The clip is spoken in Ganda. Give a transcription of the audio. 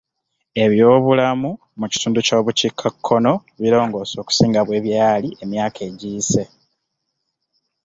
Eby'obulamu mu kitundu ky'obukiikakkono birongoose okusinga bwe byali emyaka egiyise.